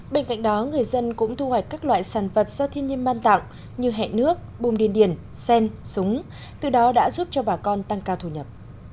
bên cạnh đó người dân cũng thu hoạch các loại sản vật do thiên nhiên ban tặng như hẹn nước bùm điền điển sen súng từ đó đã giúp cho bà con tăng cao thu nhập